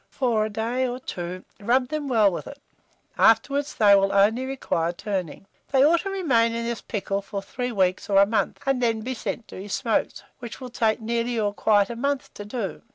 For a day or two rub them well with it; afterwards they will only require turning. They ought to remain in this pickle for 3 weeks or a month, and then be sent to be smoked, which will take nearly or quite a month to do.